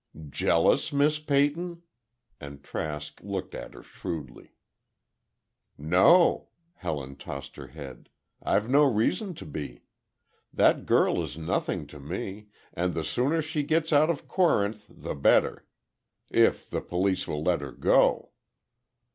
"Jealous, Miss Peyton?" and Trask looked at her shrewdly. "No," Helen tossed her head. "I've no reason to be. That girl is nothing to me, and the sooner she gets out of Corinth the better. If the police will let her go!"